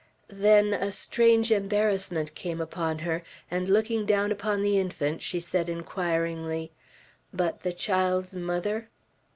Then a strange embarrassment came upon her, and looking down upon the infant, she said inquiringly, "But the child's mother?"